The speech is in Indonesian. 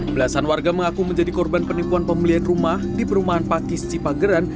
belasan warga mengaku menjadi korban penipuan pembelian rumah di perumahan pakis cipageran